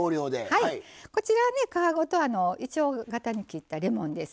こちら、皮ごといちょう形に切ったレモンです。